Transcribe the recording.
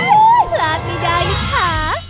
โอ้โหหลัดไม่ได้ค่ะ